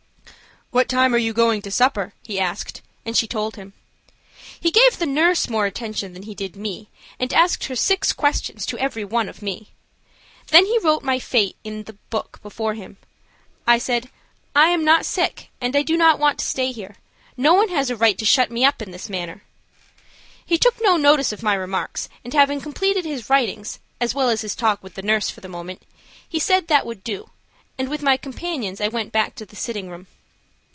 "What time are you going to supper?" he asked, and she told him. He gave the nurse more attention than he did me, and asked her six questions to every one of me. Then he wrote my fate in the book before him. I said, "I am not sick and I do not want to stay here. No one has a right to shut me up in this manner." He took no notice of my remarks, and having completed his writings, as well as his talk with the nurse for the moment, he said that would do, and with my companions, I went back to the sitting room.